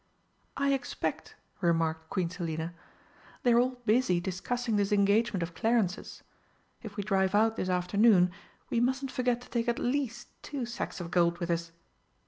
"I expect," remarked Queen Selina, "they're all busy discussing this engagement of Clarence's. If we drive out this afternoon we mustn't forget to take at least two sacks of gold with us."